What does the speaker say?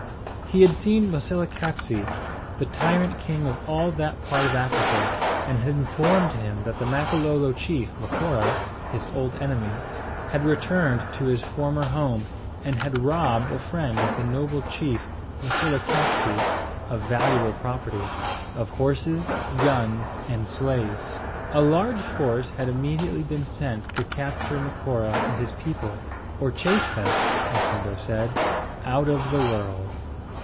He had seen Moselekatse, the tyrant king of all that part of Africa, and had informed him that the Makololo chief, Macora, his old enemy, had returned to his former home, and had robbed a friend of the noble chief Moselekatse of valuable property, of horses, guns, and slaves. A large force had immediately been sent to capture Macora and his people, or chase them, as Sindo said, "out of the world."